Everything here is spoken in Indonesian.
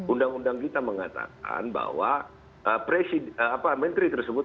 undang undang kita mengatakan bahwa menteri tersebut